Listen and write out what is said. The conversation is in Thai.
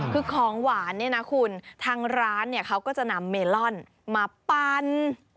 คือของหวานเนี่ยนะคุณทางร้านเนี่ยเขาก็จะนำเมลอนมาปัน